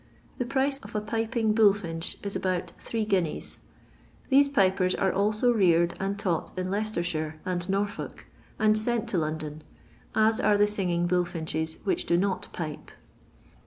The price of a piping bullfinch is about three guineas. These pipers are also reared and taught in Leicestershire and Nor folk, and sent to London, as are the singing bull finches which do not *' pipe."